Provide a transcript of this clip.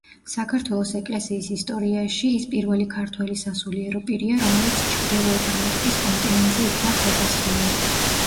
საქართველოს ეკლესიის ისტორიაში ის პირველი ქართველი სასულიერო პირია, რომელიც ჩრდილოეთ ამერიკის კონტინენტზე იქნა ხელდასხმული.